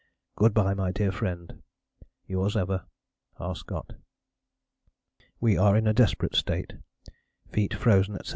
Good bye, my dear friend. Yours ever, R. SCOTT. We are in a desperate state, feet frozen, etc.